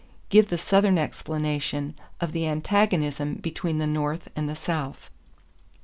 Give the Southern explanation of the antagonism between the North and the South.